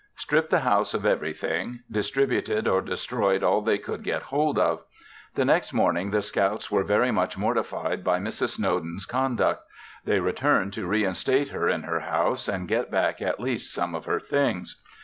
Stripped the house of everything; distributed or destroyed all they could get hold of. The next morning the scouts were very much mortified by Mrs. Snowden's conduct; they returned to reinstate her in her house and get back at least some of her things.